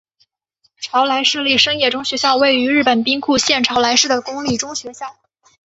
朝来市立生野中学校位于日本兵库县朝来市的公立中学校。